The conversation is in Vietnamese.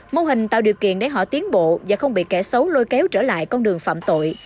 mô hình tạo điều kiện để họ tiến bộ và không bị kẻ xấu lôi kéo trở lại con đường phạm tội